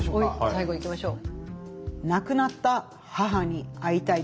最後いきましょう。